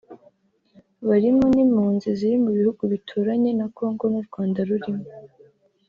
barimo n’impunzi ziri mu bihugu bituranye na Congo n’u Rwanda rurimo